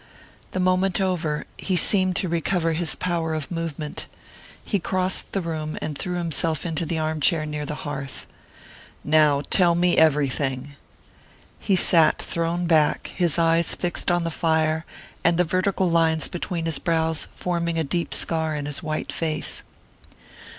The moment over, he seemed to recover his power of movement. He crossed the room and threw himself into the armchair near the hearth. "Now tell me everything." He sat thrown back, his eyes fixed on the fire, and the vertical lines between his brows forming a deep scar in his white face.